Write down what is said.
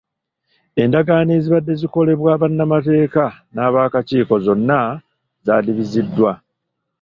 Endagaano ezibadde zikolebwa bannamateeka n'abaakakiiko zonna zaadibiziddwa.